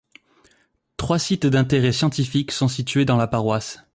Trois sites d'intérêt scientifique sont situés dans la paroisse.